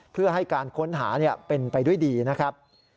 เพื่อให้การค้นหาเป็นไปด้วยดีนะครับ